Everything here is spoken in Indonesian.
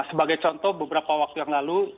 sebagai contoh beberapa waktu yang lalu